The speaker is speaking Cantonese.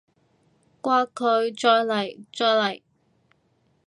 摑佢！再嚟！再嚟！